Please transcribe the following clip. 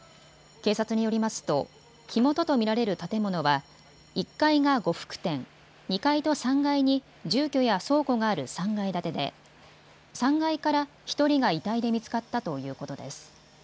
警察によりますと火元と見られる建物は１階が呉服店、２階と３階に住居や倉庫がある３階建てで３階から１人が遺体で見つかったということです。